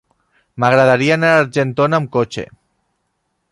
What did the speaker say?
M'agradaria anar a Argentona amb cotxe.